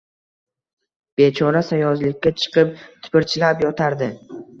Bechora sayozlikka chiqib tipirchilab yotardi…